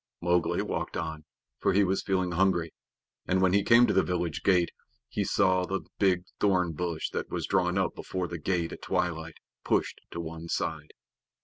Mowgli walked on, for he was feeling hungry, and when he came to the village gate he saw the big thorn bush that was drawn up before the gate at twilight, pushed to one side.